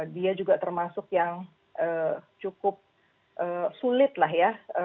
dia juga termasuk yang cukup sulit lah ya